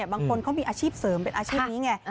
บางคนเขามีอาชีพเสริมเป็นอาชีพนี้ไง